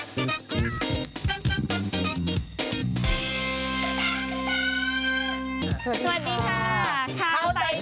ฝนตกโอ้โหฝนตกไว้ออกโอ้โหทุกอย่างลอตเตอรี่